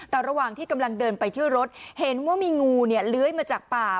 แต่ระหว่างที่กำลังเดินไปที่รถเห็นว่ามีงูเลื้อยมาจากป่า